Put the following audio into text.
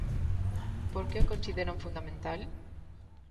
Por que o consideran fundamental?